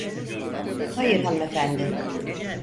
Hayır hanımefendi.